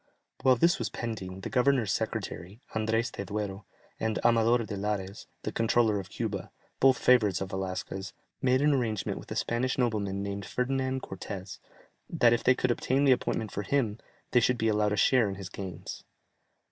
While this was pending, the governor's secretary, Andrès de Duero, and Amador de Larez, the Controller of Cuba, both favourites of Velasquez, made an arrangement with a Spanish nobleman named Ferdinand Cortès, that if they could obtain the appointment for him, they should be allowed a share in his gains.